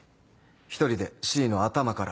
１人でＣの頭から。